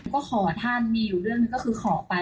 ก็ขอท่านมีอยู่ด้วยก็คือขอไป